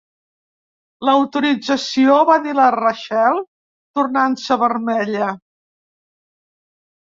"L"autorització!" va dir la Rachael, tornant-se vermella.